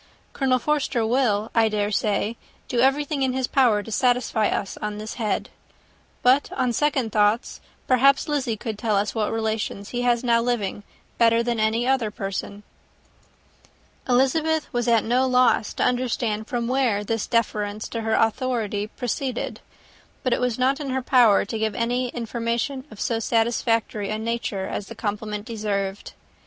Colonel Forster will, I dare say, do everything in his power to satisfy us on this head. But, on second thoughts, perhaps Lizzy could tell us what relations he has now living better than any other person." Elizabeth was at no loss to understand from whence this deference for her authority proceeded; but it was not in her power to give any information of so satisfactory a nature as the compliment deserved.